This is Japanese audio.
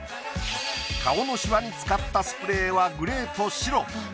顔のシワに使ったスプレーはグレーと白。